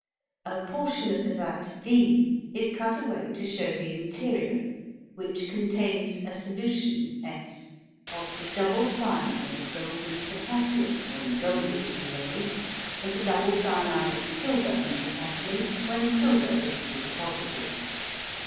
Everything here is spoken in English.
A portion of the vat V is cut away to show the interior, which contains a solution S of the double cyanide of gold and potassium when gold is to be laid, and the double cyanide of silver and potassium when silver is to be deposited.